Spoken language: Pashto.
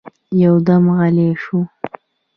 يودم غلی شو.